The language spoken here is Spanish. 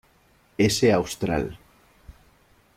S. Austral.